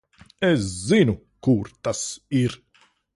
Es zinu, kur tas ir.